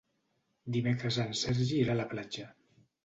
Dimecres en Sergi irà a la platja.